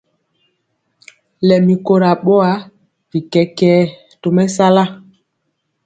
Lɛmi kora boa, bi kɛkɛɛ tɔmesala.